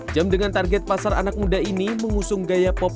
jam dengan target pasar anak muda ini mengusung gaya pop